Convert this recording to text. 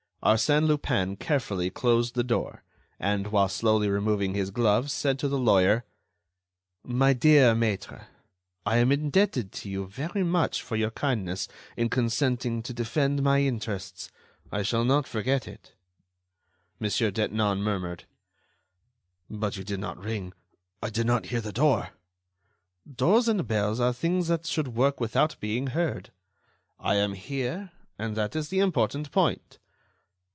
Arsène Lupin carefully closed the door, and, while slowly removing his gloves, said to the lawyer: "My dear maître, I am indebted to you very much for your kindness in consenting to defend my interests. I shall not forget it." Mon. Detinan murmured: "But you did not ring. I did not hear the door—" "Doors and bells are things that should work without being heard. I am here, and that is the important point."